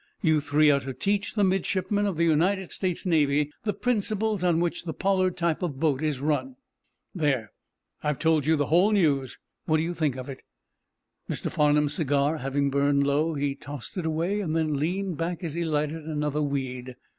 You three are to teach the midshipmen of the United States Navy the principles on which the Pollard type of boat is run. There; I've told you the whole news. What do you think of it?" Mr. Farnum's cigar having burned low, he tossed it away, then leaned back as he lighted another weed.